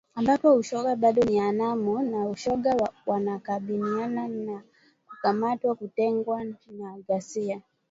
ambapo ushoga bado ni haramu na mashoga wanakabiliwa na kukamatwa kutengwa na ghasia